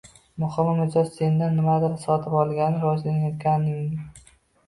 Muhimi, mijoz sendan nimadir sotib olgani, rivojlanayotganing.